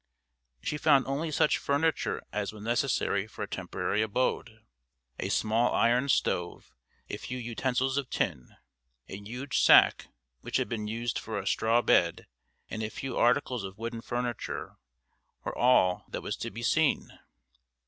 She found only such furniture as was necessary for a temporary abode. A small iron stove, a few utensils of tin, a huge sack which had been used for a straw bed, and a few articles of wooden furniture, were all that was to be seen.